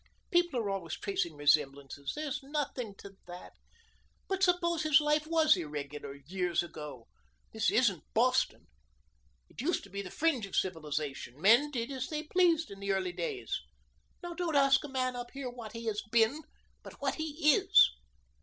"People are always tracing resemblances. There's nothing to that. But suppose his life was irregular years ago. This isn't Boston. It used to be the fringe of civilization. Men did as they pleased in the early days. We don't ask a man up here what he has been, but what he is.